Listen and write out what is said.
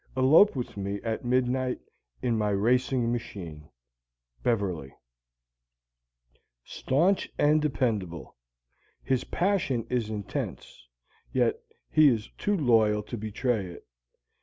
Elope with me at midnight in my racing machine. Beverly Stanch and dependable. His passion is intense, yet he is too loyal to betray it.